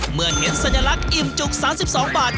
เมื่อเห็นสัญลักษณ์อิ่มจุก๓๒บาท